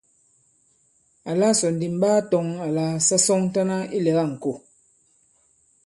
Àla sɔ̀ ndì m ɓaa tɔ̄ŋ àlà sa sɔŋtana ilɛ̀ga ìŋkò.